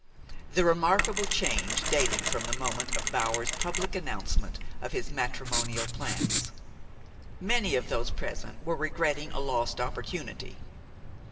The remarkable change dated from the moment of Bower's public announcement of his matrimonial plans. Many of those present were regretting a lost opportunity.